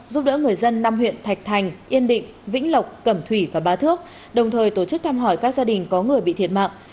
giúp đỡ người dân năm huyện thạch thành yên định vĩnh lộc cẩm thủy và bá thước đồng thời tổ chức thăm hỏi các gia đình có người bị thiệt mạng